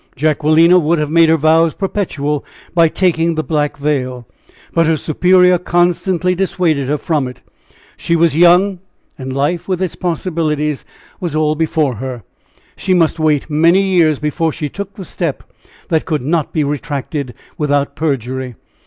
Jacquelina would have made her vows perpetual by taking the black veil, but her Superior constantly dissuaded her from it. She was young, and life, with its possibilities, was all before her; she must wait many years before she took the step that could not be retracted without perjury.